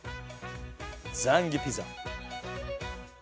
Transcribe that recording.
ザンギピザ。